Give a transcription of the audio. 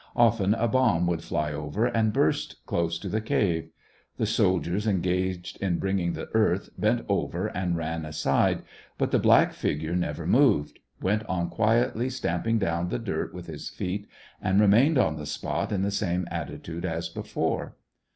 Often a bomb would fly over, and burst close to the cave. The soldiers engaged in bringing the earth bent over SEVASTOPOL IN AUGUST. 235 and ran aside ; but the black figure never moved ; went on quietly stamping down the dirt with his feet, and remained on the spot in the same atti tude as before.